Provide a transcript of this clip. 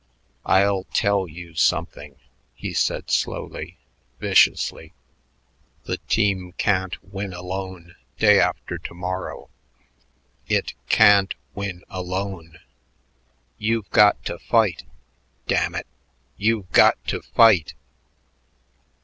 "I'll tell you something," he said slowly, viciously; "the team can't win alone day after to morrow. It can't win alone! You've got to fight. Damn it! _You've got to fight!